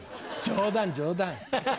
冗談冗談。